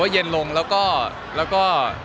เย็นลงแล้วก็